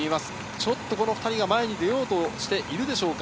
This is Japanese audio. ちょっと２人が前に出ようとしているでしょうか。